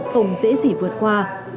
không dễ dỉ vượt qua